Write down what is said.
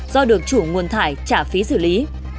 do được chủ nguồn thải trả phí xử lý